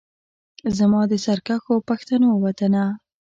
زما د سرکښو پښتنو وطنه